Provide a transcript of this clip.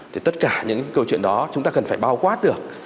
thì tất cả những câu chuyện đó chúng ta cần phải bao quát được